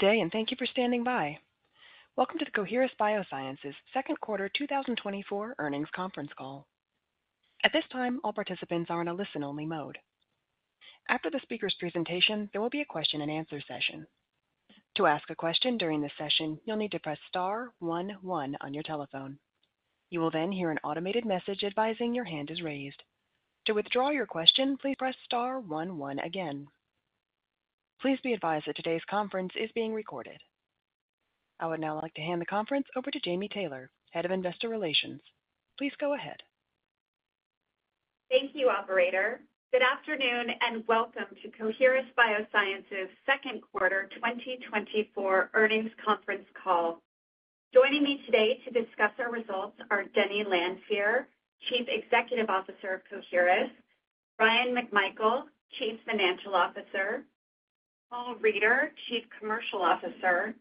Good day, and thank you for standing by. Welcome to the Coherus BioSciences Second Quarter 2024 Earnings Conference Call. At this time, all participants are in a listen-only mode. After the speaker's presentation, there will be a question-and-answer session. To ask a question during this session, you'll need to press star one one on your telephone. You will then hear an automated message advising your hand is raised. To withdraw your question, please press star one one again. Please be advised that today's conference is being recorded. I would now like to hand the conference over to Jami Taylor, Head of investor relations. Please go ahead. Thank you, operator. Good afternoon, and welcome to Coherus BioSciences Second Quarter 2024 Earnings Conference Call. Joining me today to discuss our results are Denny Lanfear, Chief Executive Officer of Coherus, Bryan McMichael, Chief Financial Officer, Paul Reider, Chief Commercial Officer,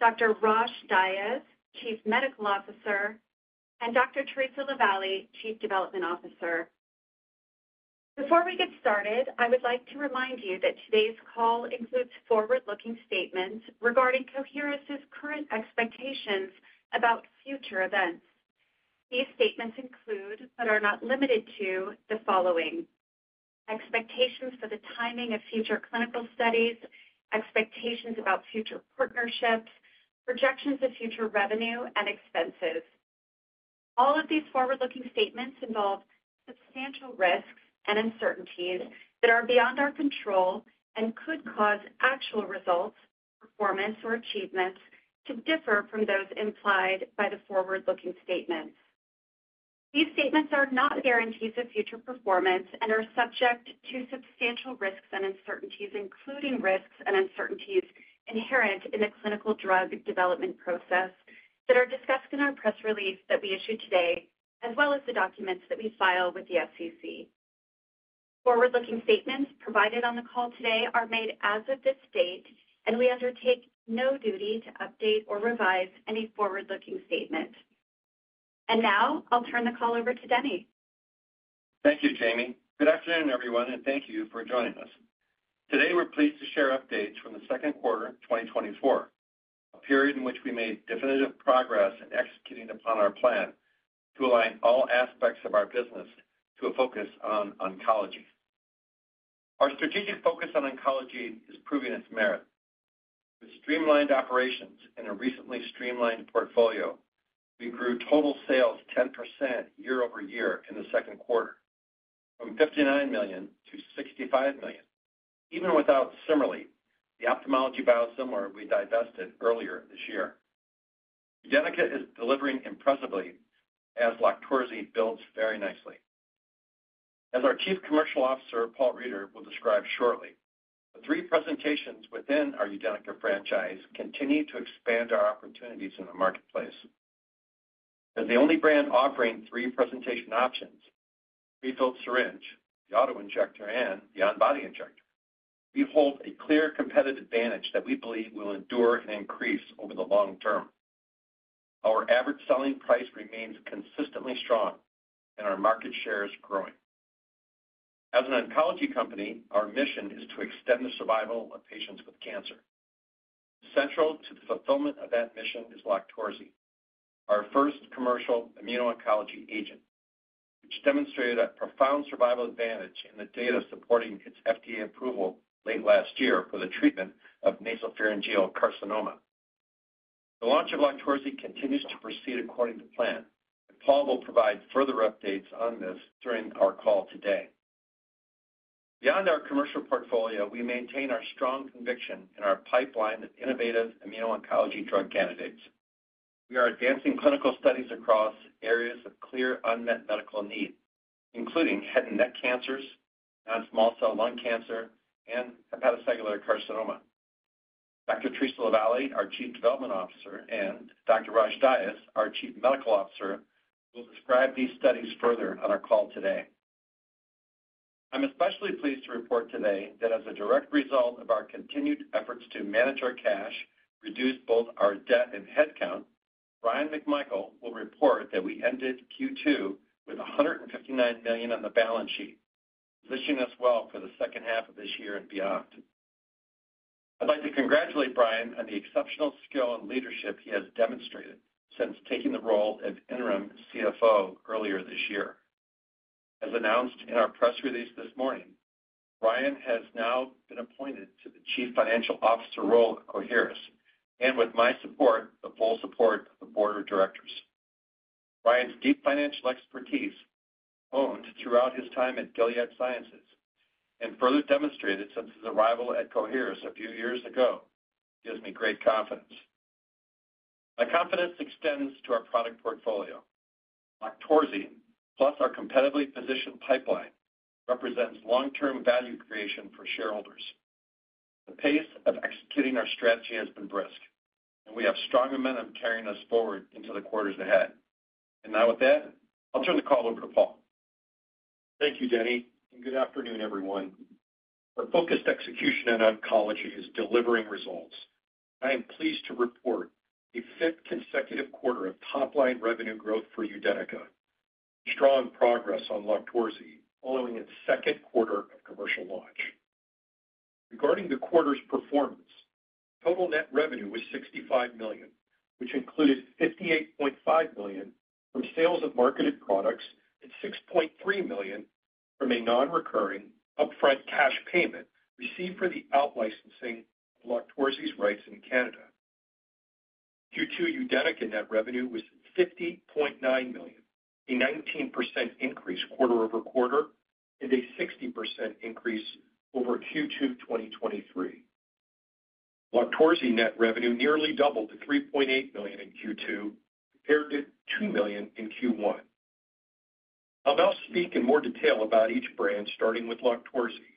Dr. Rosh Dias, Chief Medical Officer, and Dr. Theresa LaVallee, Chief Development Officer. Before we get started, I would like to remind you that today's call includes forward-looking statements regarding Coherus' current expectations about future events. These statements include, but are not limited to, the following: expectations for the timing of future clinical studies, expectations about future partnerships, projections of future revenue and expenses. All of these forward-looking statements involve substantial risks and uncertainties that are beyond our control and could cause actual results, performance, or achievements to differ from those implied by the forward-looking statements. These statements are not guarantees of future performance and are subject to substantial risks and uncertainties, including risks and uncertainties inherent in the clinical drug development process, that are discussed in our press release that we issued today, as well as the documents that we file with the SEC. Forward-looking statements provided on the call today are made as of this date, and we undertake no duty to update or revise any forward-looking statement. And now I'll turn the call over to Denny. Thank you, Jami. Good afternoon, everyone, and thank you for joining us. Today, we're pleased to share updates from the second quarter of twenty twenty-four, a period in which we made definitive progress in executing upon our plan to align all aspects of our business to a focus on oncology. Our strategic focus on oncology is proving its merit. With streamlined operations and a recently streamlined portfolio, we grew total sales 10% year-over-year in the second quarter, from $59 million to $65 million, even without CIMERLI, the ophthalmology biosimilar we divested earlier this year. UDENYCA is delivering impressively as LOQTORZI builds very nicely. As our Chief Commercial Officer, Paul Reider, will describe shortly, the three presentations within our UDENYCA franchise continue to expand our opportunities in the marketplace. As the only brand offering three presentation options, pre-filled syringe, the autoinjector, and the ONBODY injector, we hold a clear competitive advantage that we believe will endure and increase over the long term. Our average selling price remains consistently strong and our market share is growing. As an oncology company, our mission is to extend the survival of patients with cancer. Central to the fulfillment of that mission is LOQTORZI, our first commercial immuno-oncology agent, which demonstrated a profound survival advantage in the data supporting its FDA approval late last year for the treatment of nasopharyngeal carcinoma. The launch of LOQTORZI continues to proceed according to plan, and Paul will provide further updates on this during our call today. Beyond our commercial portfolio, we maintain our strong conviction in our pipeline of innovative immuno-oncology drug candidates. We are advancing clinical studies across areas of clear unmet medical need, including head and neck cancers, non-small cell lung cancer, and hepatocellular carcinoma. Dr. Theresa LaVallee, our Chief Development Officer, and Dr. Rosh Dias, our Chief Medical Officer, will describe these studies further on our call today. I'm especially pleased to report today that as a direct result of our continued efforts to manage our cash, reduce both our debt and headcount, Bryan McMichael will report that we ended Q2 with $159 million on the balance sheet, positioning us well for the second half of this year and beyond. I'd like to congratulate Bryan on the exceptional skill and leadership he has demonstrated since taking the role as interim CFO earlier this year. As announced in our press release this morning, Bryan has now been appointed to the Chief Financial Officer role at Coherus, and with my support, the full support of the board of directors. Bryan's deep financial expertise, honed throughout his time at Gilead Sciences and further demonstrated since his arrival at Coherus a few years ago, gives me great confidence. My confidence extends to our product portfolio. LOQTORZI, plus our competitively positioned pipeline, represents long-term value creation for shareholders. The pace of executing our strategy has been brisk, and we have strong momentum carrying us forward into the quarters ahead. And now with that, I'll turn the call over to Paul. Thank you, Denny, and good afternoon, everyone. Our focused execution in oncology is delivering results. I am pleased to report a fifth consecutive quarter of top-line revenue growth for UDENYCA. Strong progress on LOQTORZI following its second quarter of commercial launch. Regarding the quarter's performance, total net revenue was $65 million, which included $58.5 million from sales of marketed products, and $6.3 million from a nonrecurring upfront cash payment received for the out-licensing of LOQTORZI's rights in Canada. Q2 UDENYCA net revenue was $50.9 million, a 19% increase quarter-over-quarter, and a 60% increase over Q2 2023. LOQTORZI net revenue nearly doubled to $3.8 million in Q2, compared to $2 million in Q1. I'll now speak in more detail about each brand, starting with LOQTORZI.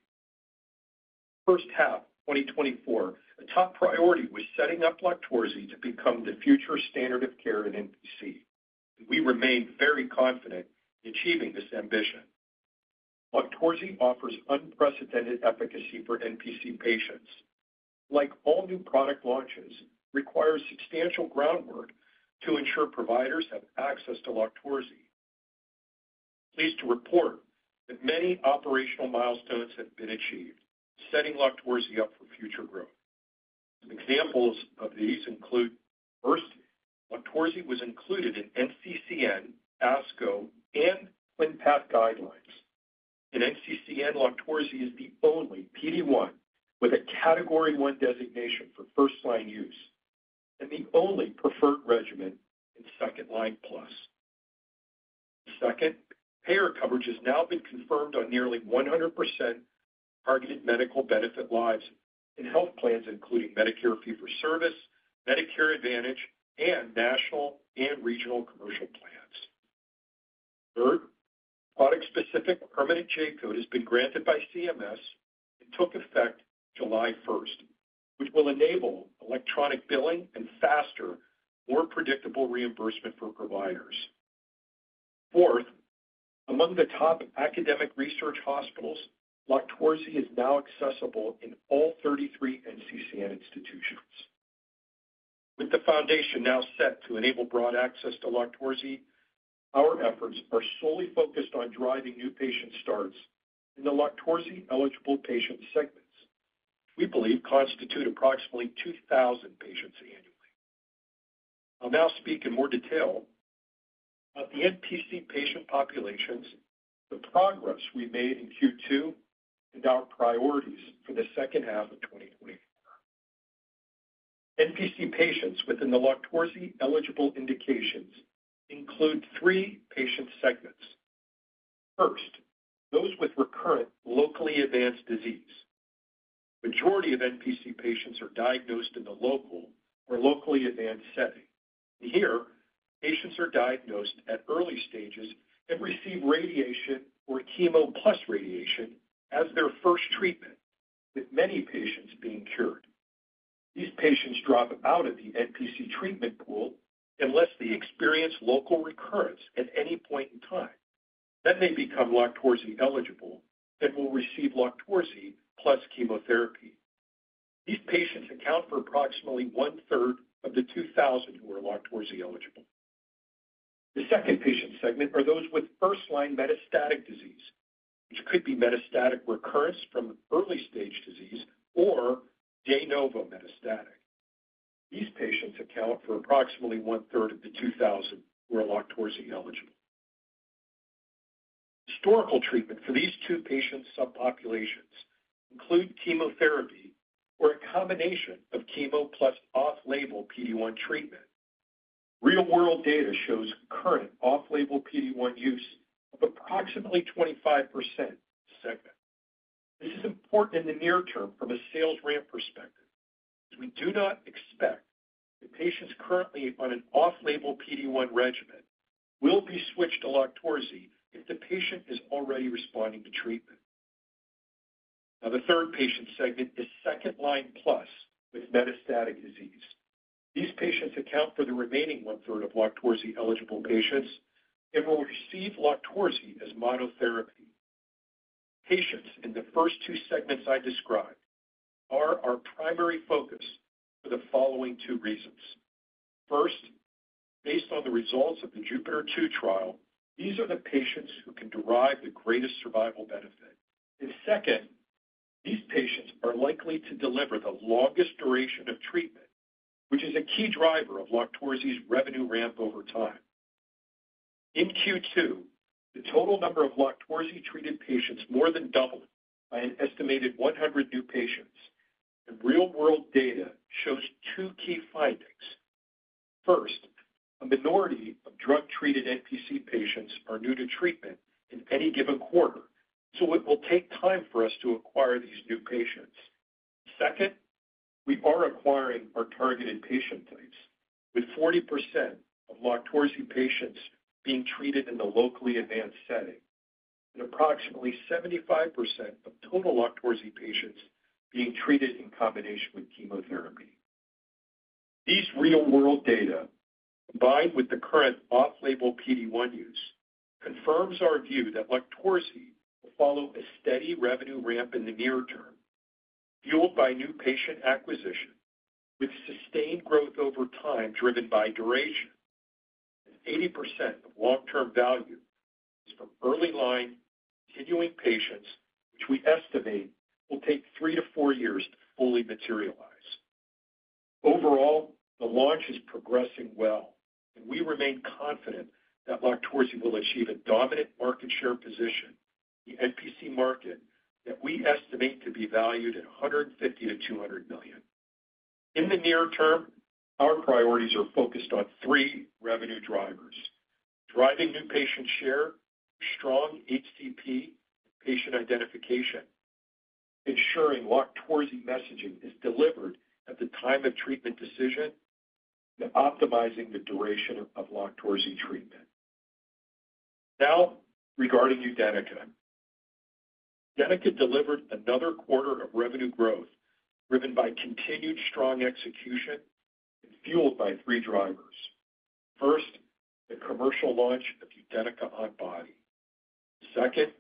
First half 2024, the top priority was setting up LOQTORZI to become the future standard of care in NPC. We remain very confident in achieving this ambition. LOQTORZI offers unprecedented efficacy for NPC patients. Like all new product launches, requires substantial groundwork to ensure providers have access to LOQTORZI. Pleased to report that many operational milestones have been achieved, setting LOQTORZI up for future growth. Some examples of these include, first, LOQTORZI was included in NCCN, ASCO, and Clinical Pathways guidelines. In NCCN, LOQTORZI is the only PD-1 with a category 1 designation for first-line use, and the only preferred regimen in second-line plus. Second, payer coverage has now been confirmed on nearly 100% targeted medical benefit lives in health plans, including Medicare Fee-for-Service, Medicare Advantage, and national and regional commercial plans. Third, product-specific permanent J-code has been granted by CMS and took effect July 1st, which will enable electronic billing and faster, more predictable reimbursement for providers. Fourth, among the top academic research hospitals, LOQTORZI is now accessible in all 33 NCCN institutions. With the foundation now set to enable broad access to LOQTORZI, our efforts are solely focused on driving new patient starts in the LOQTORZI-eligible patient segments. We believe constitute approximately 2,000 patients annually. I'll now speak in more detail about the NPC patient populations, the progress we made in Q2, and our priorities for the second half of 2024. NPC patients within the LOQTORZI-eligible indications include three patient segments. First, those with recurrent locally advanced disease. Majority of NPC patients are diagnosed in the local or locally advanced setting. Here, patients are diagnosed at early stages and receive radiation or chemo plus radiation as their first treatment, with many patients being cured. These patients drop out of the NPC treatment pool unless they experience local recurrence at any point in time. Then they become LOQTORZI eligible and will receive LOQTORZI plus chemotherapy. These patients account for approximately one-third of the 2,000 who are LOQTORZI eligible. The second patient segment are those with first-line metastatic disease, which could be metastatic recurrence from early-stage disease or de novo metastatic. These patients account for approximately one-third of the 2,000 who are LOQTORZI eligible. Historical treatment for these two patient subpopulations include chemotherapy or a combination of chemo plus off-label PD-1 treatment. Real-world data shows current off-label PD-1 use of approximately 25% segment. This is important in the near term from a sales ramp perspective, as we do not expect the patients currently on an off-label PD-1 regimen will be switched to LOQTORZI if the patient is already responding to treatment. Now, the third patient segment is second-line plus with metastatic disease. These patients account for the remaining one-third of LOQTORZI-eligible patients and will receive LOQTORZI as monotherapy. Patients in the first two segments I described are our primary focus for the following two reasons. First, based on the results of the JUPITER-2 trial, these are the patients who can derive the greatest survival benefit. And second, these patients are likely to deliver the longest duration of treatment, which is a key driver of LOQTORZI's revenue ramp over time. In Q2, the total number of LOQTORZI-treated patients more than doubled by an estimated 100 new patients, and real-world data shows two key findings. First, a minority of drug-treated NPC patients are new to treatment in any given quarter, so it will take time for us to acquire these new patients. Second, we are acquiring our targeted patient types, with 40% of LOQTORZI patients being treated in the locally advanced setting, and approximately 75% of total LOQTORZI patients being treated in combination with chemotherapy. These real-world data, combined with the current off-label PD-1 use, confirms our view that LOQTORZI will follow a steady revenue ramp in the near term, fueled by new patient acquisition, with sustained growth over time driven by duration. 80% of long-term value is from early line continuing patients, which we estimate will take 3 years-4 years to fully materialize. Overall, the launch is progressing well, and we remain confident that LOQTORZI will achieve a dominant market share position in the NPC market that we estimate to be valued at $150 million-$200 million. In the near term, our priorities are focused on three revenue drivers: driving new patient share, strong HCP patient identification, ensuring LOQTORZI messaging is delivered at the time of treatment decision, and optimizing the duration of LOQTORZI treatment. Now, regarding UDENYCA. UDENYCA delivered another quarter of revenue growth, driven by continued strong execution and fueled by three drivers. First, the commercial launch of UDENYCA ONBODY. Second,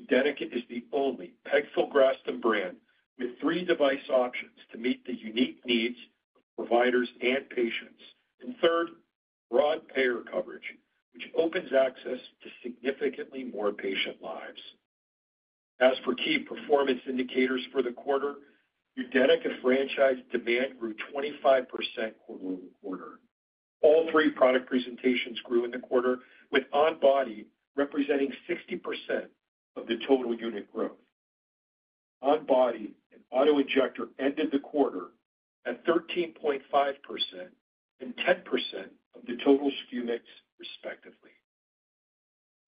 UDENYCA is the only pegfilgrastim brand with three device options to meet the unique needs of providers and patients. And third, broad payer coverage, which opens access to significantly more patient lives. As for key performance indicators for the quarter, UDENYCA franchise demand grew 25% quarter-over-quarter. All three product presentations grew in the quarter, with ONBODY representing 60% of the total unit growth. ONBODY and autoinjector ended the quarter at 13.5% and 10% of the total SKU mix, respectively.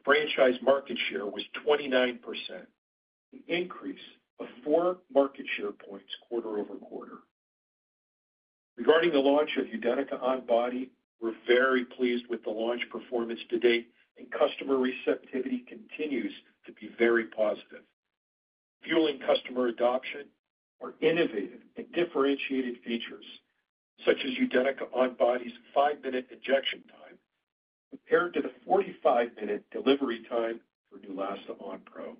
Franchise market share was 29%, an increase of four market share points quarter-over-quarter. Regarding the launch of UDENYCA ONBODY, we're very pleased with the launch performance to date, and customer receptivity continues to be very positive. Fueling customer adoption are innovative and differentiated features, such as UDENYCA ONBODY's 5-minute injection time, compared to the 45-minute delivery time for Neulasta Onpro.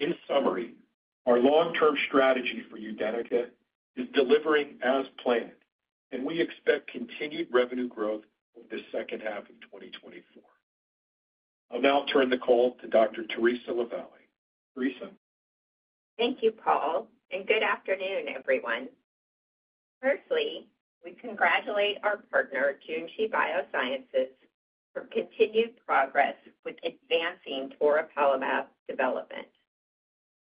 In summary, our long-term strategy for UDENYCA is delivering as planned, and we expect continued revenue growth over the second half of 2024. I'll now turn the call to Dr. Theresa LaVallee. Theresa? Thank you, Paul, and good afternoon, everyone. Firstly, we congratulate our partner, Junshi Biosciences, for continued progress with advancing toripalimab development.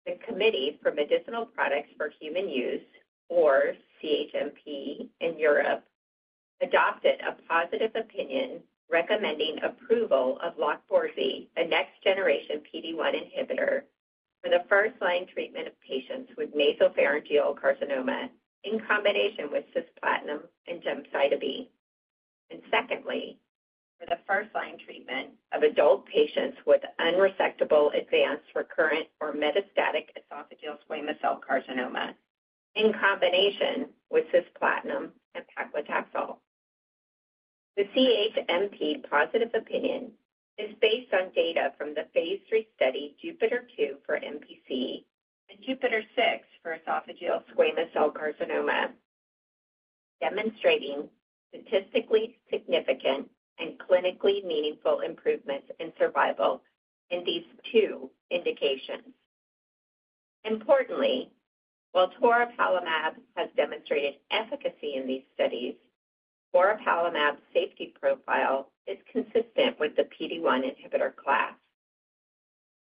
The Committee for Medicinal Products for Human Use, or CHMP in Europe, adopted a positive opinion recommending approval of LOQTORZI, a next-generation PD-1 inhibitor for the first-line treatment of patients with nasopharyngeal carcinoma in combination with cisplatin and gemcitabine. And secondly, for the first-line treatment of adult patients with unresectable, advanced, recurrent, or metastatic esophageal squamous cell carcinoma in combination with cisplatin and paclitaxel. The CHMP positive opinion is based on data from the phase III study, JUPITER-2 for NPC and JUPITER-6 for esophageal squamous cell carcinoma, demonstrating statistically significant and clinically meaningful improvements in survival in these two indications. Importantly, while toripalimab has demonstrated efficacy in these studies, toripalimab safety profile is consistent with the PD-1 inhibitor class.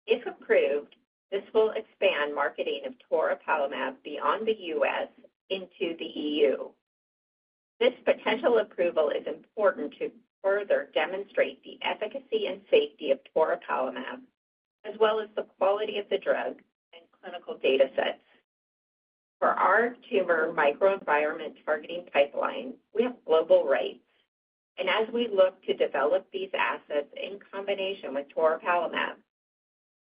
If approved, this will expand marketing of toripalimab beyond the U.S. into the EU. This potential approval is important to further demonstrate the efficacy and safety of toripalimab, as well as the quality of the drug and clinical data sets. For our tumor microenvironment targeting pipeline, we have global rights, and as we look to develop these assets in combination with toripalimab,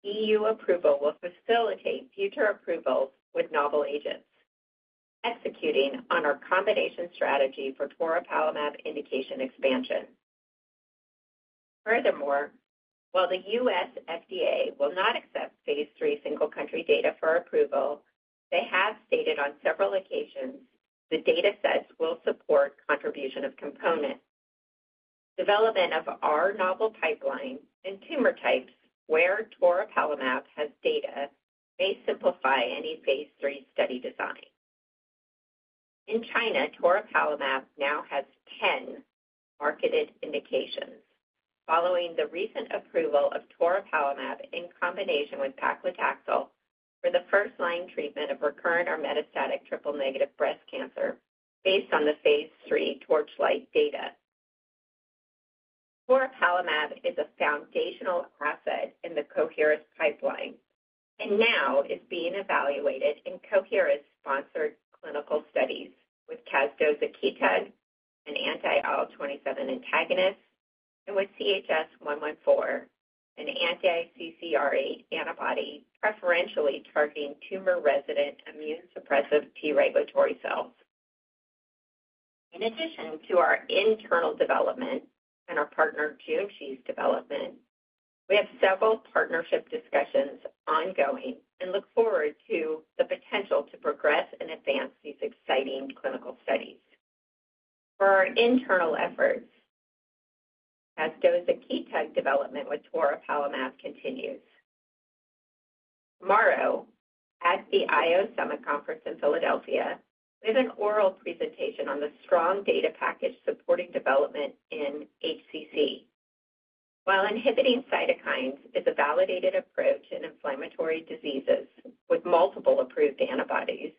EU approval will facilitate future approvals with novel agents, executing on our combination strategy for toripalimab indication expansion. Furthermore, while the U.S. FDA will not accept phase III single-country data for approval, they have stated on several occasions the data sets will support contribution of components. Development of our novel pipeline and tumor types where toripalimab has data may simplify any phase III study design. In China, toripalimab now has 10 marketed indications following the recent approval of toripalimab in combination with paclitaxel for the first-line treatment of recurrent or metastatic triple-negative breast cancer, based on the phase III TORCHLIGHT data. Toripalimab is a foundational asset in the Coherus pipeline and now is being evaluated in Coherus-sponsored clinical studies with casdozokitug, an anti-IL-27 antagonist, and with CHS-114, an anti-CCR8 antibody preferentially targeting tumor-resident immune suppressive T regulatory cells. In addition to our internal development and our partner Junshi's development, we have several partnership discussions ongoing and look forward to the potential to progress and advance these exciting clinical studies. For our internal efforts, casdozokitug development with toripalimab continues. Tomorrow, at the IO Summit Conference in Philadelphia, we have an oral presentation on the strong data package supporting development in HCC. While inhibiting cytokines is a validated approach in inflammatory diseases with multiple approved antibodies,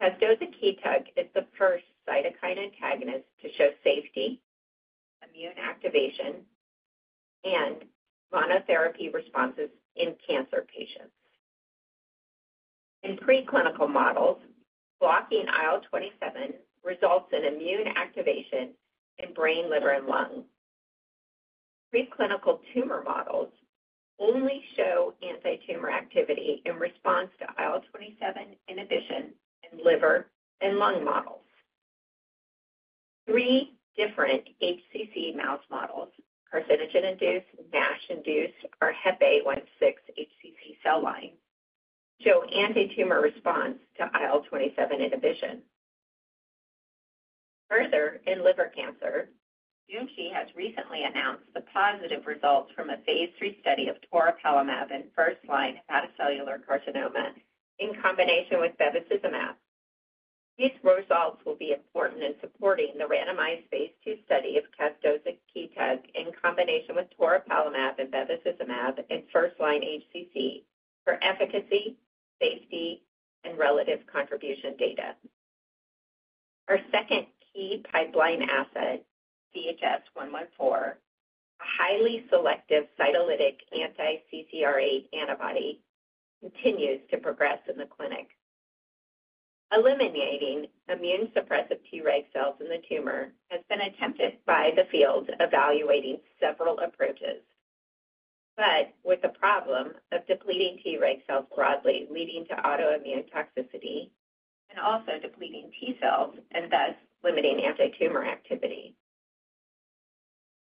casdozokitug is the first cytokine antagonist to show safety, immune activation, and monotherapy responses in cancer patients. In preclinical models, blocking IL-27 results in immune activation in brain, liver, and lung. Preclinical tumor models only show antitumor activity in response to IL-27 inhibition in liver and lung models. Three different HCC mouse models, carcinogen-induced, NASH-induced, or Hepa 1-6 HCC cell line, show antitumor response to IL-27 inhibition. Further, in liver cancer, Junshi has recently announced the positive results from a phase III study of toripalimab in first-line hepatocellular carcinoma in combination with bevacizumab. These results will be important in supporting the randomized phase II study of casdozokitug in combination with toripalimab and bevacizumab in first-line HCC for efficacy, safety, and relative contribution data. Our second key pipeline asset, CHS-114, a highly selective cytolytic anti-CCR8 antibody, continues to progress in the clinic. Eliminating immune suppressive Treg cells in the tumor has been attempted by the field, evaluating several approaches, but with the problem of depleting Treg cells broadly, leading to autoimmune toxicity and also depleting T cells and thus limiting antitumor activity.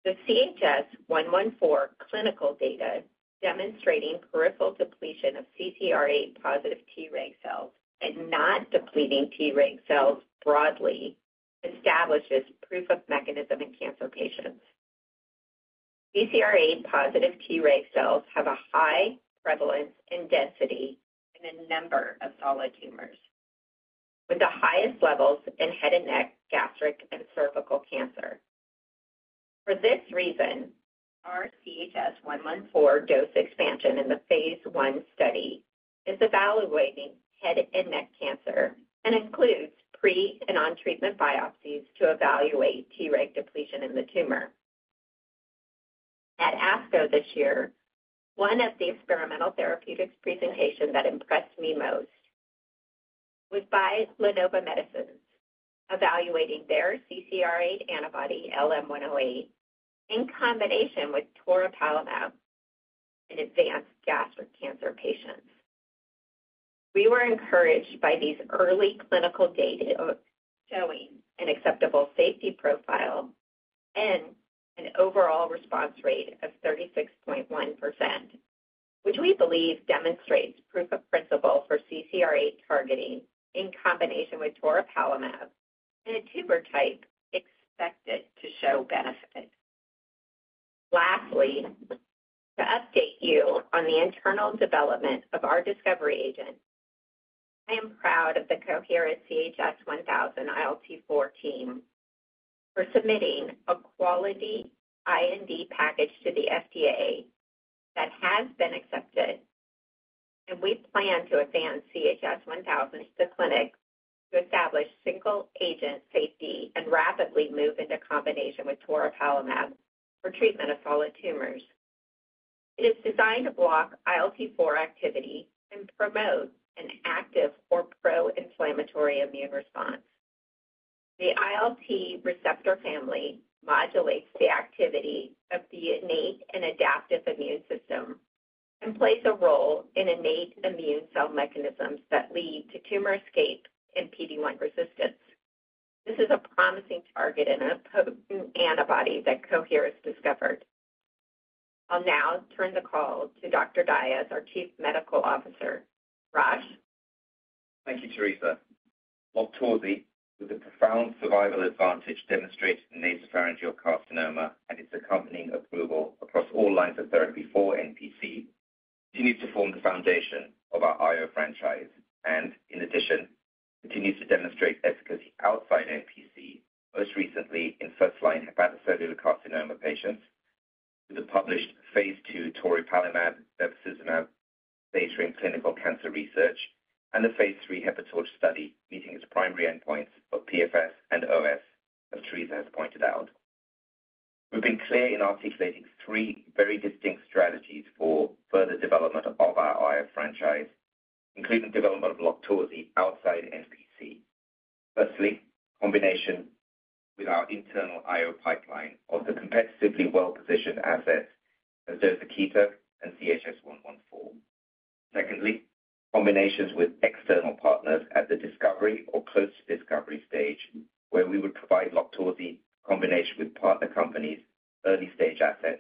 The CHS-114 clinical data demonstrating peripheral depletion of CCR8-positive Treg cells and not depleting Treg cells broadly establishes proof of mechanism in cancer patients. CCR8-positive Treg cells have a high prevalence and density in a number of solid tumors, with the highest levels in head and neck, gastric, and cervical cancer. For this reason, our CHS-114 dose expansion in the phase I study is evaluating head and neck cancer and includes pre- and on-treatment biopsies to evaluate Treg depletion in the tumor. At ASCO this year, one of the experimental therapeutics presentation that impressed me most was by LaNova Medicines, evaluating their CCR8 antibody, LM-108, in combination with toripalimab in advanced gastric cancer patients. We were encouraged by these early clinical data showing an acceptable safety profile and an overall response rate of 36.1%, which we believe demonstrates proof of principle for CCR8 targeting in combination with toripalimab in a tumor type expected to show benefit. Lastly, to update you on the internal development of our discovery agent, I am proud of the Coherus CHS-1000 ILT4 team for submitting a quality IND package to the FDA that has been accepted, and we plan to advance CHS-1000 to clinic to establish single-agent safety and rapidly move into combination with toripalimab for treatment of solid tumors. It is designed to block ILT4 activity and promote an active or pro-inflammatory immune response. The ILT receptor family modulates the activity of the innate and adaptive immune system and plays a role in innate immune cell mechanisms that lead to tumor escape and PD-1 resistance. This is a promising target and a potent antibody that Coherus discovered. I'll now turn the call to Dr. Dias, our Chief Medical Officer. Rosh? Thank you, Theresa. LOQTORZI, with a profound survival advantage demonstrated in nasopharyngeal carcinoma and its accompanying approval across all lines of therapy for NPC, continues to form the foundation of our IO franchise and, in addition, continues to demonstrate efficacy outside NPC, most recently in first-line hepatocellular carcinoma patients with a published phase II toripalimab, bevacizumab phase III in Clinical Cancer Research and the phase III HEPATORCH study, meeting its primary endpoints of PFS and OS, as Theresa has pointed out. We've been clear in articulating 3 very distinct strategies for further development of our IO franchise, including development of LOQTORZI outside NPC. Firstly, combination with our internal IO pipeline of the competitively well-positioned assets, as well as the casdozokitug and CHS-114.... Secondly, combinations with external partners at the discovery or close to discovery stage, where we would provide toripalimab in combination with partner companies' early-stage assets,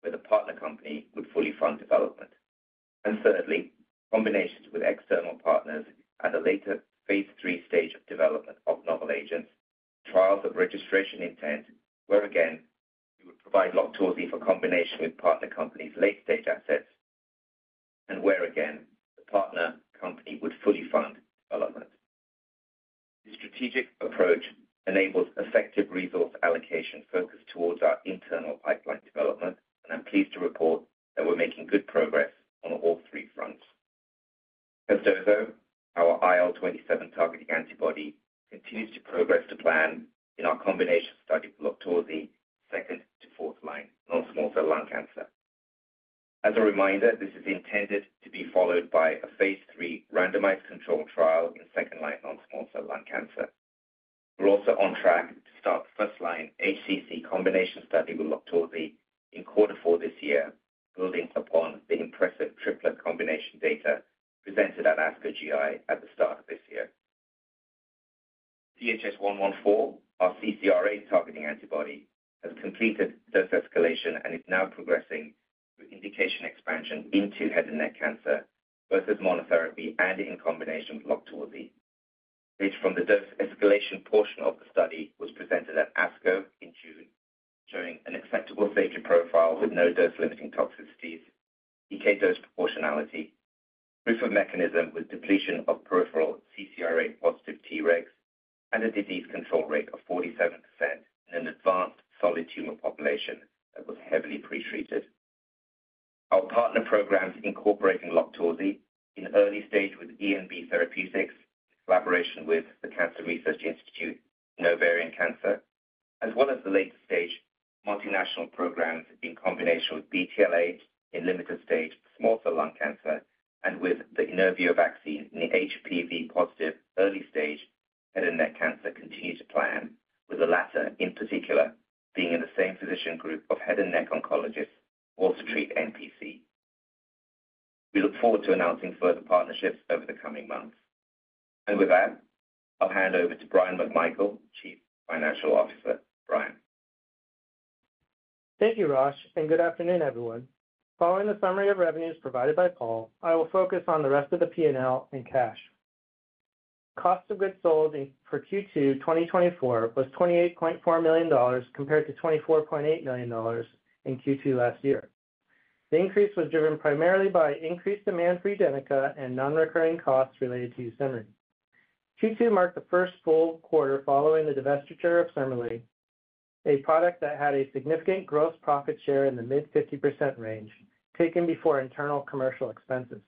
where the partner company would fully fund development. And thirdly, combinations with external partners at a later phase III stage of development of novel agents, trials of registration intent, where again, we would provide toripalimab for combination with partner companies' We look forward to announcing further partnerships over the coming months. And with that, I'll hand over to Bryan McMichael, Chief Financial Officer. Bryan? Thank you, Rosh, and good afternoon, everyone. Following the summary of revenues provided by Paul, I will focus on the rest of the P&L and cash. Cost of goods sold for Q2 2024 was $28.4 million, compared to $24.8 million in Q2 last year. The increase was driven primarily by increased demand for UDENYCA and non-recurring costs related to CIMERLI. Q2 marked the first full quarter following the divestiture of CIMERLI, a product that had a significant gross profit share in the mid-50% range, taken before internal commercial expenses.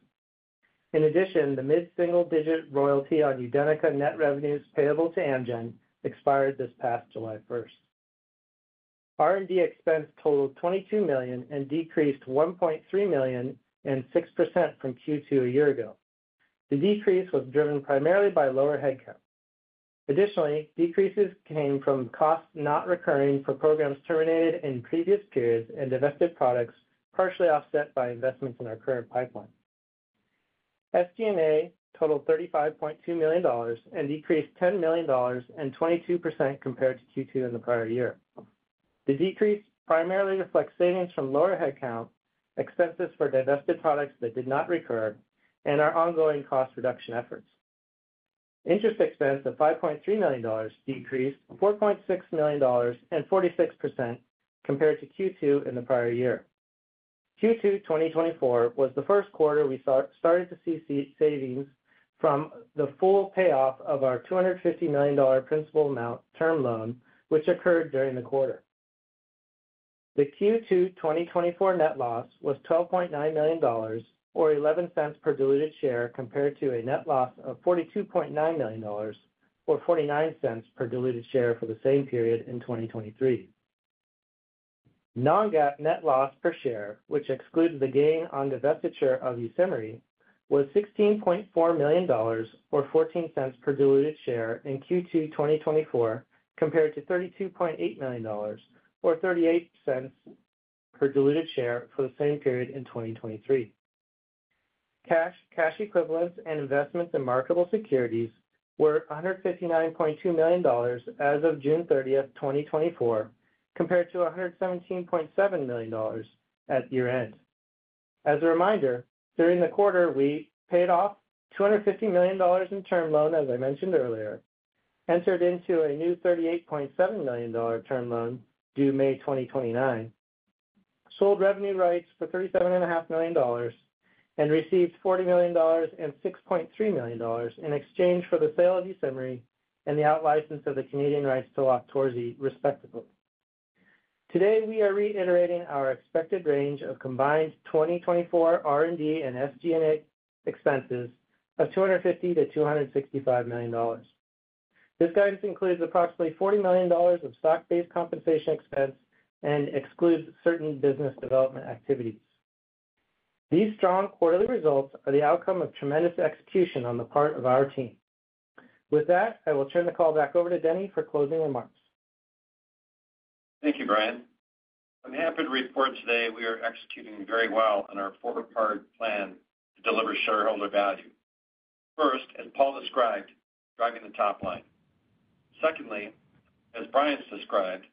In addition, the mid-single-digit royalty on UDENYCA net revenues payable to Amgen expired this past July first. R&D expense totaled $22 million and decreased $1.3 million and 6% from Q2 a year ago. The decrease was driven primarily by lower headcount. Additionally, decreases came from costs not recurring for programs terminated in previous periods and divested products, partially offset by investments in our current pipeline. SG&A totaled $35.2 million and decreased $10 million and 22% compared to Q2 in the prior year. The decrease primarily reflects savings from lower headcount, expenses for divested products that did not recur, and our ongoing cost reduction efforts. Interest expense of $5.3 million decreased $4.6 million and 46% compared to Q2 in the prior year. Q2 2024 was the first quarter we started to see savings from the full payoff of our $250 million principal amount term loan, which occurred during the quarter. The Q2 2024 net loss was $12.9 million, or $0.11 per diluted share, compared to a net loss of $42.9 million, or $0.49 per diluted share for the same period in 2023. Non-GAAP net loss per share, which excludes the gain on divestiture of CIMERLI, was $16.4 million, or $0.14 per diluted share in Q2 2024, compared to $32.8 million, or $0.38 per diluted share for the same period in 2023. Cash, cash equivalents, and investments in marketable securities were $159.2 million as of June 30, 2024, compared to $117.7 million at year-end. As a reminder, during the quarter, we paid off $250 million in term loan, as I mentioned earlier, entered into a new $38.7 million term loan due May 2029, sold revenue rights for $37.5 million, and received $40 million and $6.3 million in exchange for the sale of CIMERLI and the out-license of the Canadian rights to LOQTORZI, respectively. Today, we are reiterating our expected range of combined 2024 R&D and SG&A expenses of $250 million-$265 million. This guidance includes approximately $40 million of stock-based compensation expense and excludes certain business development activities. These strong quarterly results are the outcome of tremendous execution on the part of our team. With that, I will turn the call back over to Denny for closing remarks. .Thank you, Bryan. I'm happy to report today we are executing very well on our four-part plan to deliver shareholder value. First, as Paul described, driving the top line. Secondly, as Bryan's described,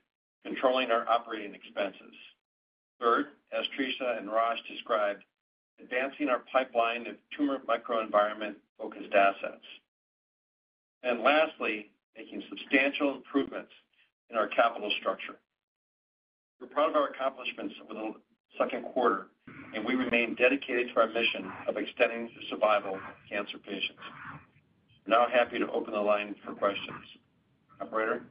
controlling our operating expenses. Third, as Theresa and Rosh described, advancing our pipeline of tumor microenvironment-focused assets. And lastly, making substantial improvements in our capital structure. We're proud of our accomplishments over the second quarter, and we remain dedicated to our mission of extending the survival of cancer patients. Now happy to open the line for questions. Operator?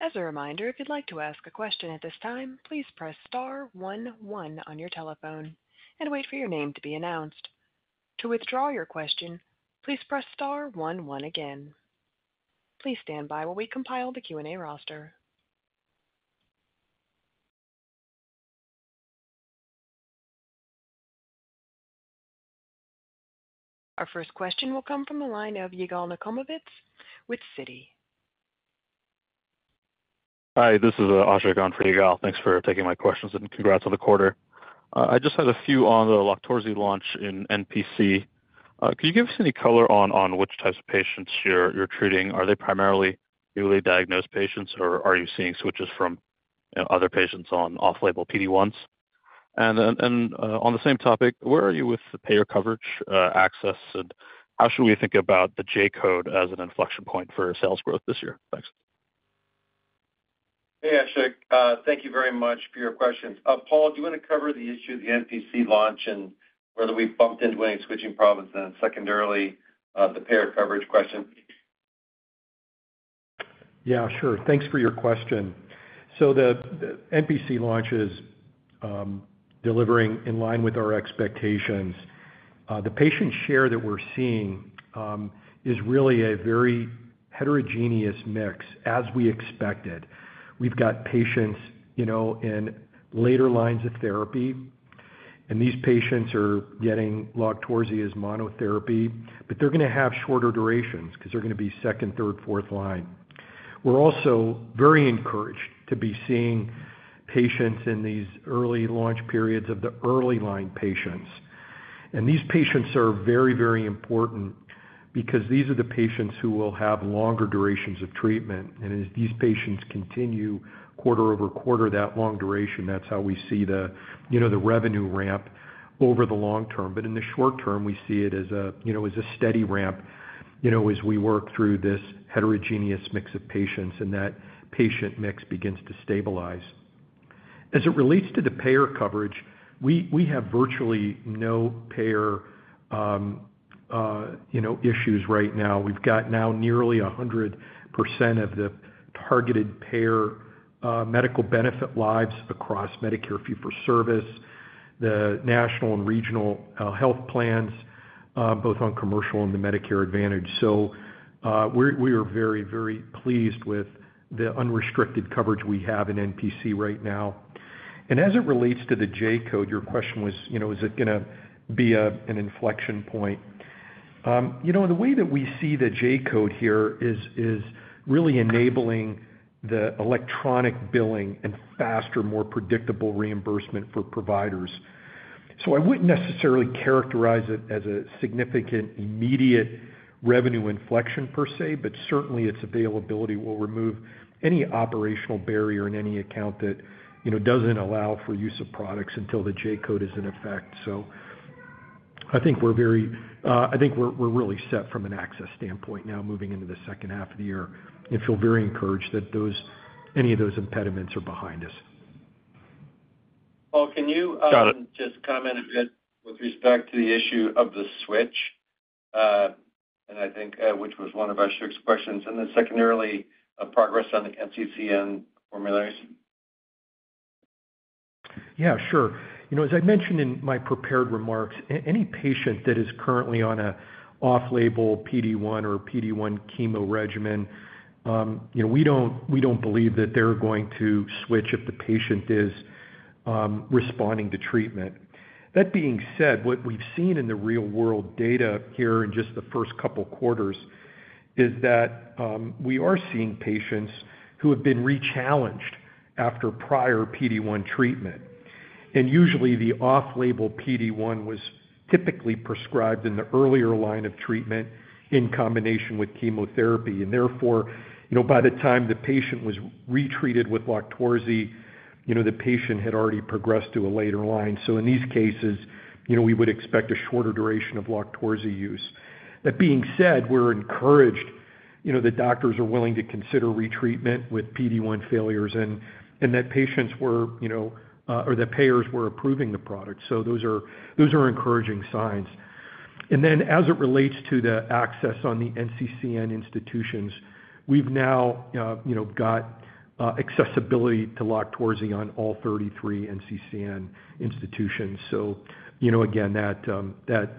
As a reminder, if you'd like to ask a question at this time, please press star one one on your telephone and wait for your name to be announced. To withdraw your question, please press star one one again. Please stand by while we compile the Q&A roster. Our first question will come from the line of Yigal Nochomovitz with Citi. Hi, this is Ashok on for Yigal. Thanks for taking my questions, and congrats on the quarter. I just had a few on the LOQTORZI launch in NPC. Could you give us any color on, on which types of patients you're, you're treating? Are they primarily newly diagnosed patients, or are you seeing switches from, you know, other patients on off-label PD-1s? And then, and, on the same topic, where are you with the payer coverage, access, and how should we think about the J-code as an inflection point for sales growth this year? Thanks. Hey, Ashok, thank you very much for your questions. Paul, do you wanna cover the issue of the NPC launch and whether we've bumped into any switching problems, and secondarily, the payer coverage question? Yeah, sure. Thanks for your question. So the NPC launch is delivering in line with our expectations. The patient share that we're seeing is really a very heterogeneous mix, as we expected. We've got patients, you know, in later lines of therapy, and these patients are getting LOQTORZI as monotherapy, but they're gonna have shorter durations because they're gonna be second, third, fourth-line. We're also very encouraged to be seeing patients in these early launch periods of the early line patients. And these patients are very, very important because these are the patients who will have longer durations of treatment. And as these patients continue quarter-over-quarter, that long duration, that's how we see the, you know, the revenue ramp over the long term. But in the short term, we see it as a, you know, as a steady ramp, you know, as we work through this heterogeneous mix of patients, and that patient mix begins to stabilize. As it relates to the payer coverage, we have virtually no payer, you know, issues right now. We've got now nearly 100% of the targeted payer, medical benefit lives across Medicare fee-for-service, the national and regional, health plans, both on commercial and the Medicare Advantage. So, we are very, very pleased with the unrestricted coverage we have in NPC right now. And as it relates to the J-code, your question was, you know, is it gonna be a, an inflection point? You know, the way that we see the J-code here is really enabling the electronic billing and faster, more predictable reimbursement for providers. So I wouldn't necessarily characterize it as a significant immediate revenue inflection per se, but certainly, its availability will remove any operational barrier in any account that, you know, doesn't allow for use of products until the J-code is in effect. So I think we're really set from an access standpoint now moving into the second half of the year and feel very encouraged that those—any of those impediments are behind us. Paul, can you Got it. Just comment a bit with respect to the issue of the switch, and I think, which was one of Ashok's questions, and then secondarily, progress on the NCCN formularies? Yeah, sure. You know, as I mentioned in my prepared remarks, any patient that is currently on an off-label PD-1 or PD-1 chemo regimen, you know, we don't, we don't believe that they're going to switch if the patient is responding to treatment. That being said, what we've seen in the real-world data here in just the first couple quarters is that we are seeing patients who have been rechallenged after prior PD-1 treatment. And usually, the off-label PD-1 was typically prescribed in the earlier line of treatment in combination with chemotherapy. And therefore, you know, by the time the patient was retreated with LOQTORZI, you know, the patient had already progressed to a later line. So in these cases, you know, we would expect a shorter duration of LOQTORZI use. That being said, we're encouraged, you know, that doctors are willing to consider retreatment with PD-1 failures, and, and that patients were, you know, or that payers were approving the product. So those are, those are encouraging signs. And then, as it relates to the access on the NCCN institutions, we've now, you know, got, accessibility to LOQTORZI on all 33 NCCN institutions. So, you know, again, that, that,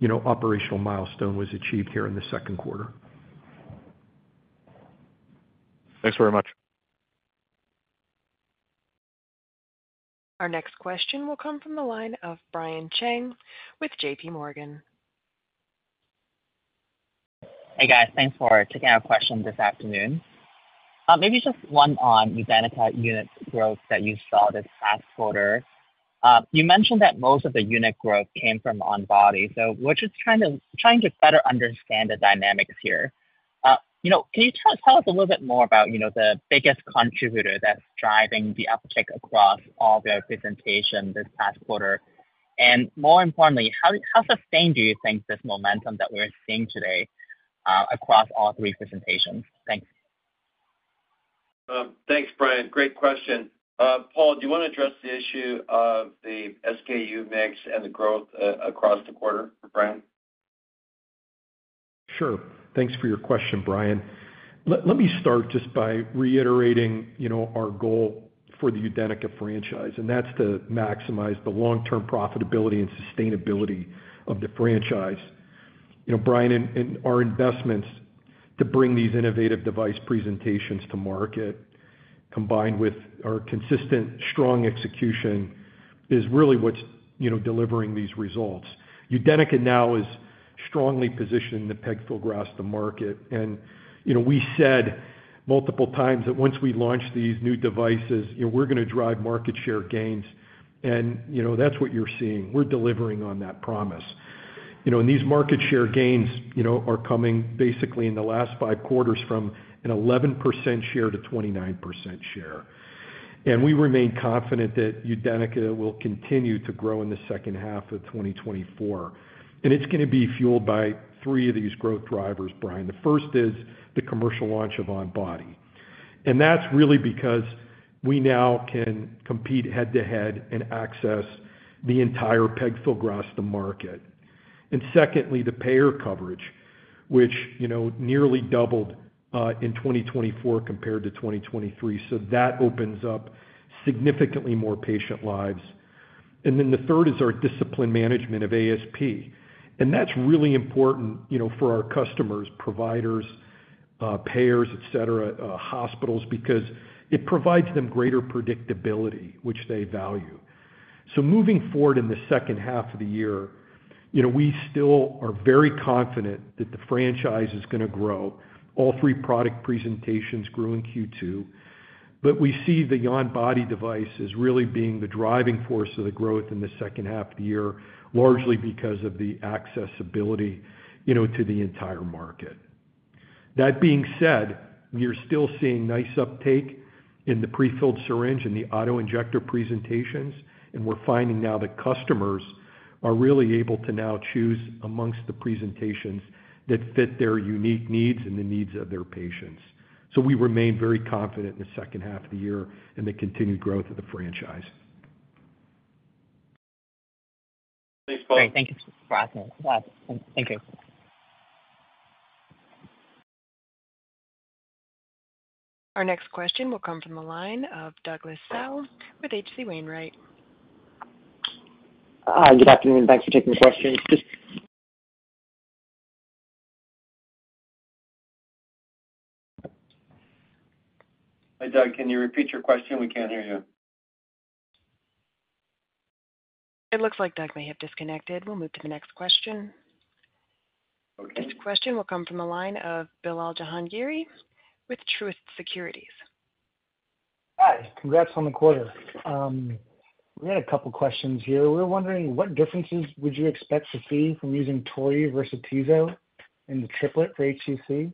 you know, operational milestone was achieved here in the second quarter. Thanks very much. Our next question will come from the line of Brian Cheng with JP Morgan Chase & Co. Hey, guys. Thanks for taking our question this afternoon. Maybe just one on UDENYCA unit growth that you saw this past quarter. You mentioned that most of the unit growth came from ONBODY, so we're just trying to better understand the dynamics here. You know, can you tell us a little bit more about, you know, the biggest contributor that's driving the uptick across all the presentations this past quarter? And more importantly, how sustained do you think this momentum that we're seeing today across all three presentations? Thanks. Thanks, Brian. Great question. Paul, do you want to address the issue of the SKU mix and the growth across the quarter for Brian? Sure. Thanks for your question, Brian. Let me start just by reiterating, you know, our goal for the UDENYCA franchise, and that's to maximize the long-term profitability and sustainability of the franchise. You know, Brian, and our investments to bring these innovative device presentations to market, combined with our consistent strong execution, is really what's, you know, delivering these results. UDENYCA now is strongly positioned in the pegfilgrastim market. And, you know, we said multiple times that once we launch these new devices, you know, we're going to drive market share gains. And, you know, that's what you're seeing. We're delivering on that promise. You know, and these market share gains, you know, are coming basically in the last 5 quarters from an 11% share to 29% share. We remain confident that UDENYCA will continue to grow in the second half of 2024, and it's going to be fueled by three of these growth drivers, Brian. The first is the commercial launch of ONBODY, and that's really because we now can compete head-to-head and access the entire pegfilgrastim market. And secondly, the payer coverage, which, you know, nearly doubled in 2024 compared to 2023, so that opens up significantly more patient lives. And then the third is our discipline management of ASP, and that's really important, you know, for our customers, providers, payers, etc., hospitals, because it provides them greater predictability, which they value. So moving forward in the second half of the year, you know, we still are very confident that the franchise is going to grow. All three product presentations grew in Q2, but we see the ONBODY device as really being the driving force of the growth in the second half of the year, largely because of the accessibility, you know, to the entire market. That being said, we are still seeing nice uptake in the prefilled syringe and the autoinjector presentations, and we're finding now that customers are really able to now choose amongst the presentations that fit their unique needs and the needs of their patients. So we remain very confident in the second half of the year and the continued growth of the franchise. Thanks, Paul. Great. Thank you for asking. Thank you. Our next question will come from the line of Douglas Tsao with H.C. Wainwright. Hi, good afternoon. Thanks for taking the question. Just- Hi, Doug, can you repeat your question? We can't hear you. It looks like Doug may have disconnected. We'll move to the next question. Okay. Next question will come from the line of William Maughan with Truist Securities. Hi, congrats on the quarter. We had a couple questions here. We were wondering, what differences would you expect to see from using tori versus atezo in the triplet for HCC?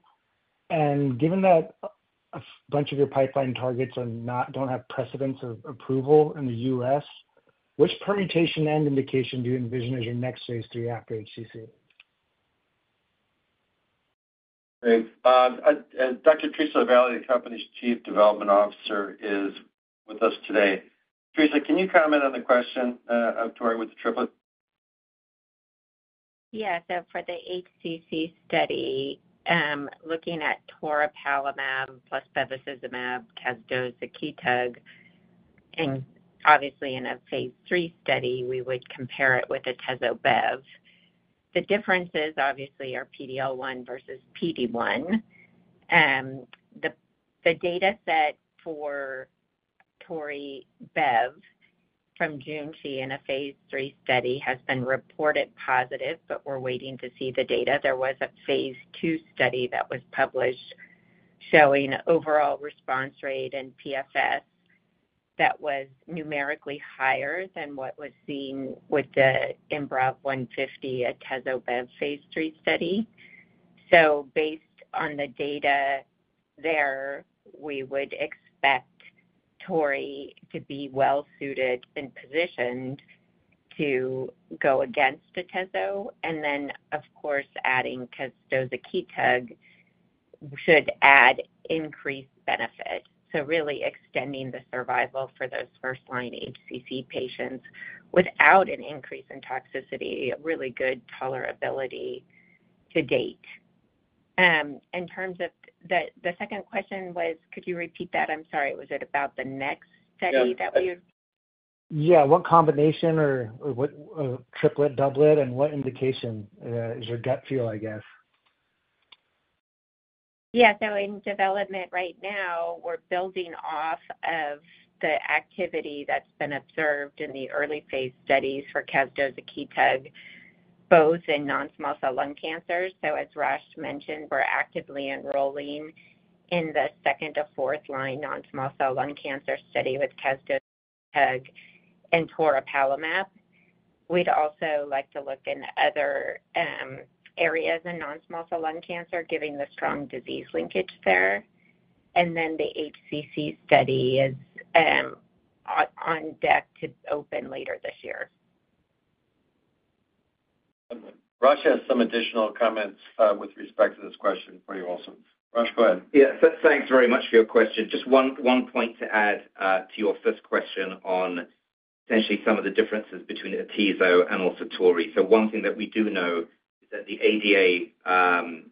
And given that a bunch of your pipeline targets don't have precedence of approval in the US, which permutation and indication do you envision as your next Phase III after HCC? Great. Dr. Theresa LaVallee, the company's Chief Development Officer, is with us today. Theresa, can you comment on the question of LOQTORZI with the triplet? Yeah. So for the HCC study, looking at toripalimab plus bevacizumab, casdozokitug, and obviously in a phase III study, we would compare it with atezo-bev. The differences, obviously, are PD-L1 versus PD-1. The, the data set for tori-bev from Junshi in a phase III study has been reported positive, but we're waiting to see the data. There was a phase II study that was published showing overall response rate and PFS that was numerically higher than what was seen with the IMbrave150, atezo-bev phase III study. So based on the data there, we would expect tori to be well suited and positioned to go against atezo, and then, of course, adding casdozokitug should add increased benefit. So really extending the survival for those first-line HCC patients without an increase in toxicity, really good tolerability to date. In terms of the second question was, could you repeat that? I'm sorry, was it about the next study that we... Yeah. What combination or what triplet, doublet, and what indication is your gut feel, I guess? ... Yeah, so in development right now, we're building off of the activity that's been observed in the early phase studies for casdozokitug, both in non-small cell lung cancers. So as Rosh mentioned, we're actively enrolling in the second to fourth-line non-small cell lung cancer study with casdozokitug and toripalimab. We'd also like to look in other areas in non-small cell lung cancer, given the strong disease linkage there. And then the HCC study is on deck to open later this year. Rash has some additional comments, with respect to this question for you also. Rash, go ahead. Yes, thanks very much for your question. Just one, one point to add to your first question on potentially some of the differences between atezo and also tori. So one thing that we do know is that the ADA,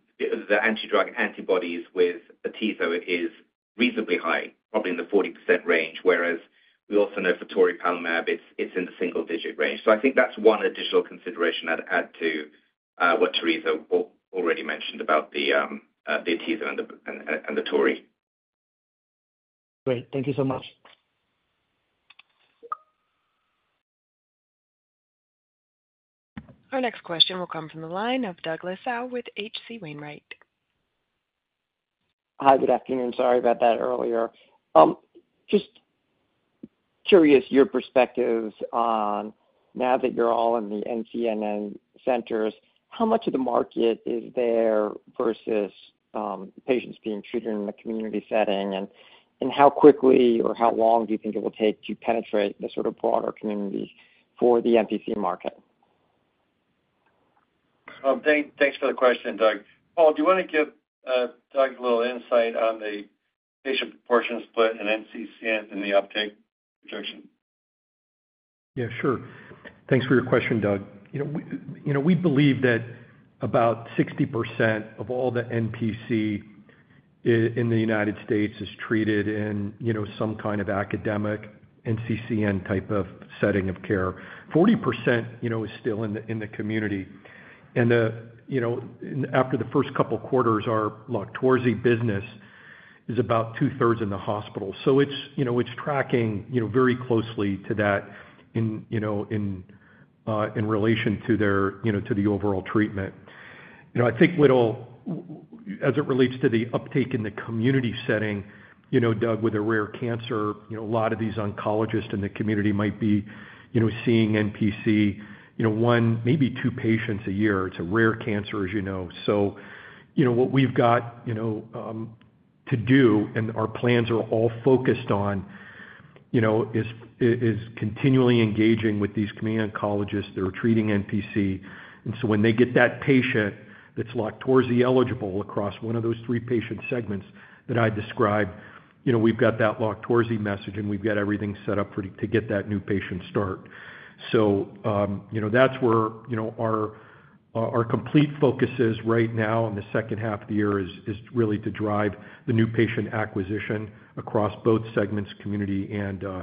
the anti-drug antibodies with atezo is reasonably high, probably in the 40% range, whereas we also know for toripalimab, it's, it's in the single digit range. So I think that's one additional consideration I'd add to what Theresa already mentioned about the, the atezo and the, and, the tori. Great. Thank you so much. Our next question will come from the line of Douglas Tsao with H.C. Wainwright. Hi, good afternoon. Sorry about that earlier. Just curious, your perspectives on now that you're all in the NCCN centers, how much of the market is there versus patients being treated in the community setting? And how quickly or how long do you think it will take to penetrate the sort of broader community for the NPC market? Thanks for the question, Doug. Paul, do you wanna give Doug a little insight on the patient proportion split in NCCN and the uptake projection? Yeah, sure. Thanks for your question, Doug. You know, we, you know, we believe that about 60% of all the NPC in the United States is treated in, you know, some kind of academic NCCN type of setting of care. 40%, you know, is still in the, in the community. And after the first couple of quarters, our LOQTORZI business is about 2/3 in the hospital. So it's, you know, it's tracking, you know, very closely to that in, you know, in, uh, in relation to their, you know, to the overall treatment. You know, I think as it relates to the uptake in the community setting, you know, Doug, with a rare cancer, you know, a lot of these oncologists in the community might be, you know, seeing NPC, you know, one, maybe two patients a year. It's a rare cancer, as you know. So, you know, what we've got, you know, to do and our plans are all focused on, you know, is continually engaging with these community oncologists that are treating NPC. And so when they get that patient that's LOQTORZI eligible across one of those three patient segments that I described, you know, we've got that LOQTORZI message, and we've got everything set up to get that new patient start. So, you know, that's where, you know, our complete focus is right now in the second half of the year is really to drive the new patient acquisition across both segments, community and the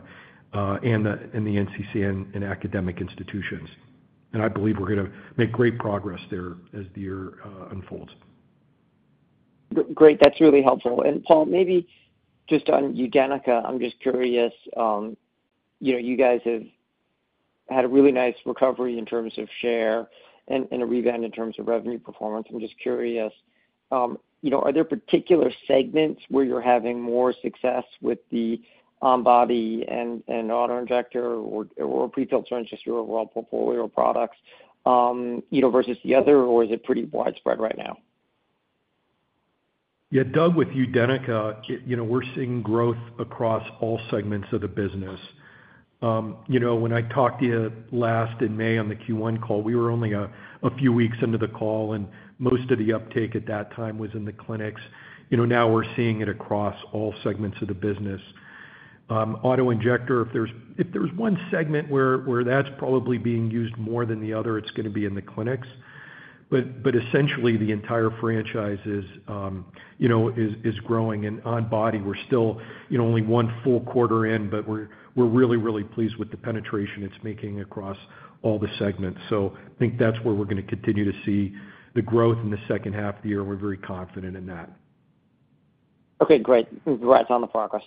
NCCN and academic institutions. And I believe we're gonna make great progress there as the year unfolds. Great, that's really helpful. And Paul, maybe just on UDENYCA, I'm just curious, you know, you guys have had a really nice recovery in terms of share and, and a rebound in terms of revenue performance. I'm just curious, you know, are there particular segments where you're having more success with the ONBODY and, and autoinjector or, or pre-filled, just your overall portfolio products, you know, versus the other, or is it pretty widespread right now? Yeah, Doug, with UDENYCA, you know, we're seeing growth across all segments of the business. You know, when I talked to you last in May on the Q1 call, we were only a few weeks into the call, and most of the uptake at that time was in the clinics. You know, now we're seeing it across all segments of the business. Autoinjector, if there's one segment where that's probably being used more than the other, it's gonna be in the clinics. But essentially, the entire franchise is, you know, growing. And ONBODY, we're still, you know, only one full quarter in, but we're really, really pleased with the penetration it's making across all the segments. So I think that's where we're gonna continue to see the growth in the second half of the year. We're very confident in that. Okay, great. Congrats on the progress.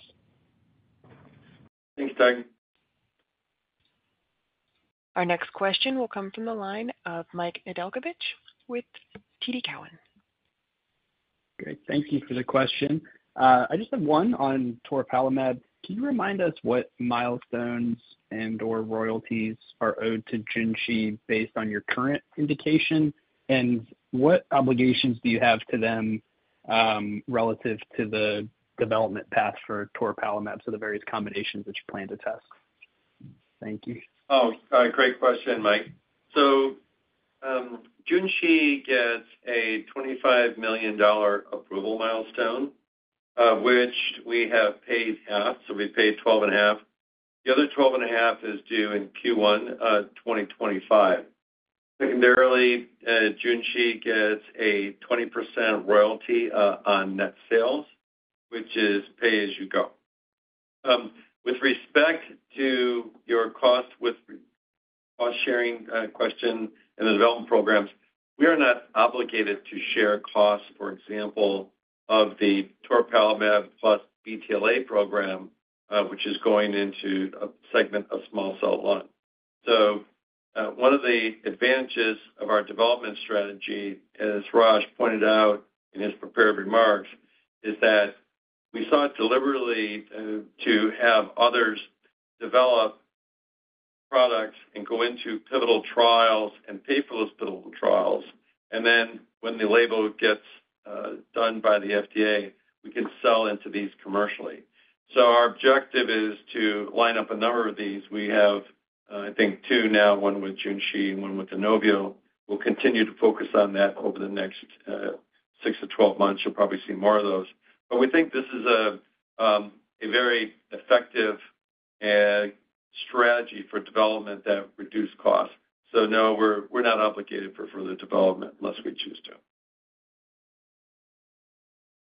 Thanks, Doug. Our next question will come from the line of Mike Nedelcovych with TD Cowen. Great, thank you for the question. I just have one on toripalimab. Can you remind us what milestones and/or royalties are owed to Junshi based on your current indication? And what obligations do you have to them, relative to the development path for toripalimab, so the various combinations that you plan to test? Thank you. Oh, great question, Mike. So, Junshi gets a $25 million approval milestone, which we have paid half, so we paid $12.5 million. The other $12.5 million is due in Q1 2025. Secondarily, Junshi gets a 20% royalty on net sales, which is pay-as-you-go. With respect to your cost, with cost sharing, question in the development programs, we are not obligated to share costs, for example, of the toripalimab plus BTLA program, which is going into a segment of small cell lung. So, one of the advantages of our development strategy, as Rosh pointed out in his prepared remarks, is that we sought deliberately to have others develop products and go into pivotal trials and pay for those pivotal trials, and then when the label gets done by the FDA, we can sell into these commercially. So our objective is to line up a number of these. We have, I think 2 now, one with Junshi and one with Inovio. We'll continue to focus on that over the next 6-12 months. You'll probably see more of those. But we think this is a very effective strategy for development that reduce costs. So no, we're not obligated for further development unless we choose to.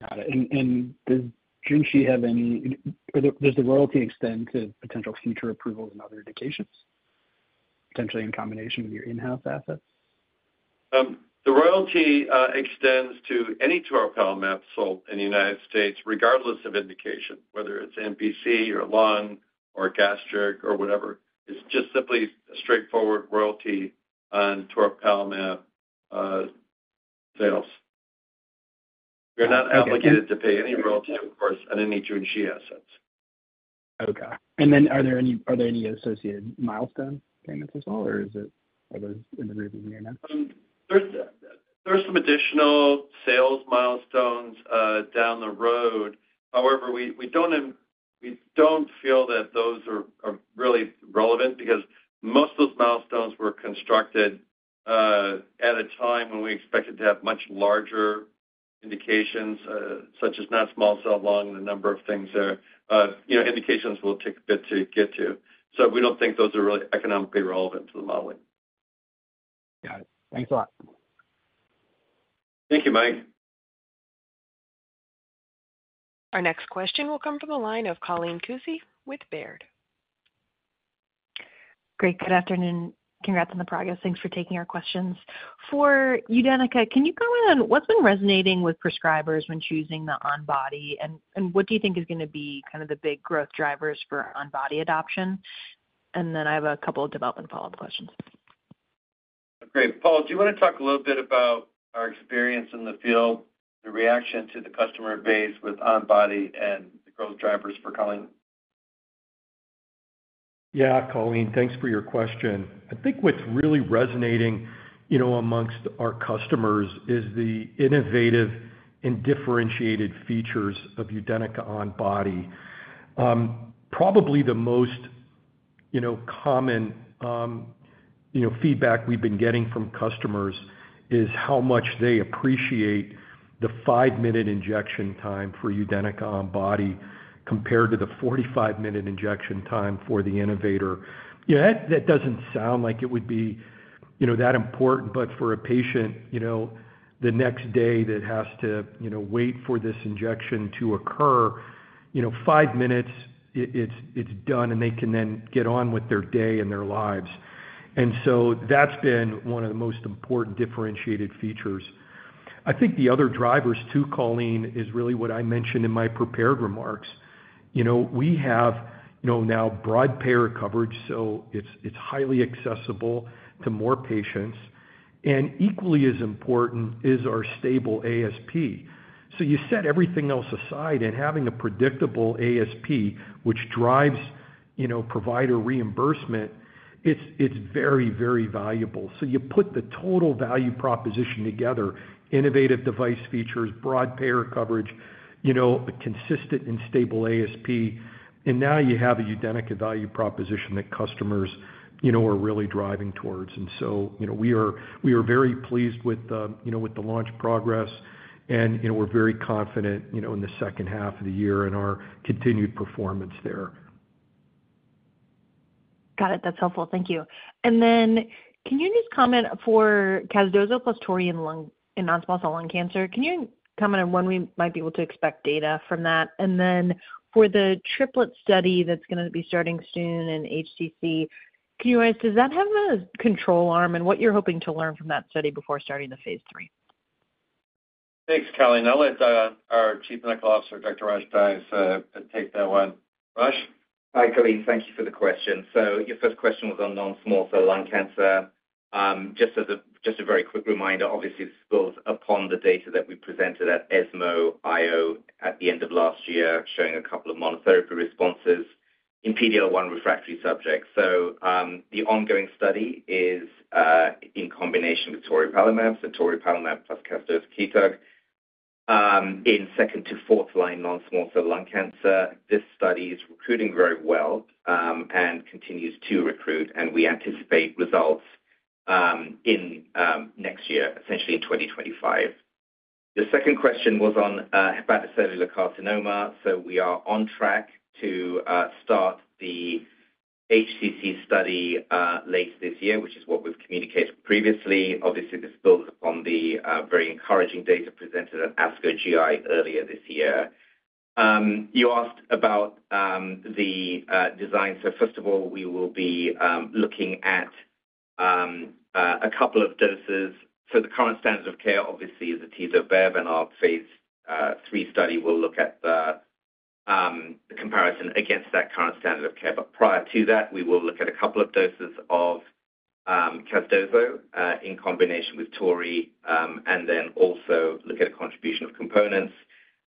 Got it. And does the royalty extend to potential future approvals in other indications, potentially in combination with your in-house assets? The royalty extends to any toripalimab sold in the United States, regardless of indication, whether it's NPC or lung or gastric or whatever. It's just simply a straightforward royalty on toripalimab sales. Okay. We're not obligated to pay any royalty, of course, on any Junshi assets. Okay. And then are there any, are there any associated milestone payments at all, or is it all those in the agreement you announced? There's some additional sales milestones down the road. However, we don't even feel that those are really relevant because most of those milestones were constructed at a time when we expected to have much larger indications, such as non-small cell lung and a number of things there. You know, indications will take a bit to get to. So we don't think those are really economically relevant to the modeling. Got it. Thanks a lot. Thank you, Mike. Our next question will come from the line of Colleen Kusy with Baird. Great, good afternoon. Congrats on the progress. Thanks for taking our questions. For UDENYCA, can you comment on what's been resonating with prescribers when choosing the ONBODY, and what do you think is gonna be kind of the big growth drivers for ONBODY adoption? And then I have a couple of development follow-up questions. Great. Paul, do you want to talk a little bit about our experience in the field, the reaction to the customer base with ONBODY and the growth drivers for Colleen? Yeah, Colleen, thanks for your question. I think what's really resonating, you know, among our customers is the innovative and differentiated features of UDENYCA ONBODY. Probably the most, you know, common, you know, feedback we've been getting from customers is how much they appreciate the 5-minute injection time for UDENYCA ONBODY, compared to the 45-minute injection time for the innovator. Yeah, that, that doesn't sound like it would be, you know, that important, but for a patient, you know, the next day that has to, you know, wait for this injection to occur, you know, 5 minutes, it, it's, it's done, and they can then get on with their day and their lives. And so that's been one of the most important differentiated features. I think the other drivers too, Colleen, is really what I mentioned in my prepared remarks. You know, we have, you know, now broad payer coverage, so it's, it's highly accessible to more patients. And equally as important is our stable ASP. So you set everything else aside, and having a predictable ASP, which drives, you know, provider reimbursement, it's, it's very, very valuable. So you put the total value proposition together, innovative device features, broad payer coverage, you know, a consistent and stable ASP, and now you have a UDENYCA value proposition that customers, you know, are really driving towards. And so, you know, we are, we are very pleased with the, you know, with the launch progress, and, you know, we're very confident, you know, in the second half of the year and our continued performance there. Got it. That's helpful. Thank you. And then, can you just comment for casdozokitug plus toripalimab in lung- in non-small cell lung cancer, can you comment on when we might be able to expect data from that? And then for the triplet study that's gonna be starting soon in HCC, can you advise, does that have a control arm, and what you're hoping to learn from that study before starting the phase III? Thanks, Colleen. I'll let our Chief Medical Officer, Dr. Rosh Dias, take that one. Rosh? Hi, Colleen. Thank you for the question. So your first question was on non-small cell lung cancer. Just as a very quick reminder, obviously, this builds upon the data that we presented at ESMO IO at the end of last year, showing a couple of monotherapy responses in PD-L1 refractory subjects. So, the ongoing study is in combination with toripalimab, so toripalimab plus casdozokitug, in second to fourth-line non-small cell lung cancer. This study is recruiting very well, and continues to recruit, and we anticipate results in next year, essentially in 2025. The second question was on hepatocellular carcinoma. So we are on track to start the HCC study late this year, which is what we've communicated previously. Obviously, this builds upon the very encouraging data presented at ASCO GI earlier this year. You asked about the design. So first of all, we will be looking at a couple of doses. So the current standard of care, obviously, is atezolizumab, and our phase III study will look at the comparison against that current standard of care. But prior to that, we will look at a couple of doses of casdozokitug in combination with toripalimab, and then also look at a contribution of components,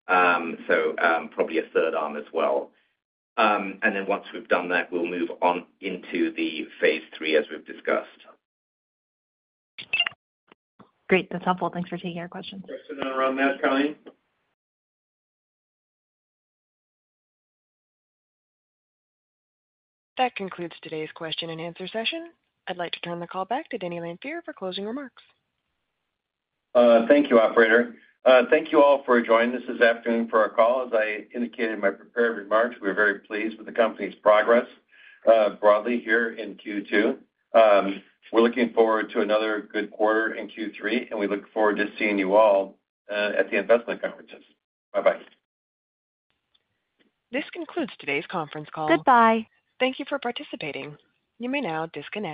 so probably a third arm as well. And then once we've done that, we'll move on into the phase III, as we've discussed. Great. That's helpful. Thanks for taking our questions. Questions around that, Colleen? That concludes today's question and answer session. I'd like to turn the call back to Denny Lanfear for closing remarks. Thank you, Operator. Thank you all for joining us this afternoon for our call. As I indicated in my prepared remarks, we're very pleased with the company's progress, broadly here in Q2. We're looking forward to another good quarter in Q3, and we look forward to seeing you all at the investment conferences. Bye-bye. This concludes today's conference call. Goodbye. Thank you for participating. You may now disconnect.